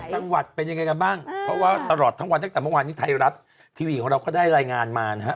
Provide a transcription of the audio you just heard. จังหวัดเป็นยังไงกันบ้างเพราะว่าตลอดทั้งวันตั้งแต่เมื่อวานนี้ไทยรัฐทีวีของเราก็ได้รายงานมานะฮะ